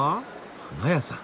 花屋さん。